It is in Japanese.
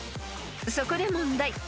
［そこで問題］